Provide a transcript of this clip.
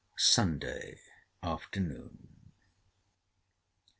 SUNDAY AFTERNOON.